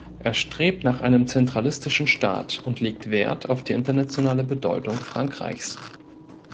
Er strebt nach einem zentralistischen Staat und legt Wert auf die internationale Bedeutung Frankreichs.